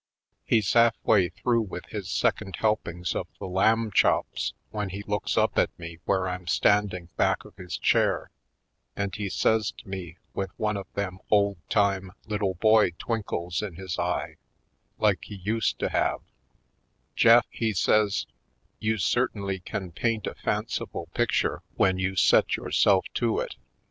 He's half way through with his second helpings of the lamb chops when he looks up at me where I'm standing back of his chair and he says to me with one of them old time little boy twinkles in his eye, like he used to have: "Jeff," he sa^^s, "you certainly can paint a fanciful picture when you set yourself to it.